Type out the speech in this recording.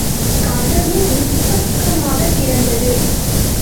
கதவு உட்பக்கமாகத் திறந்தது.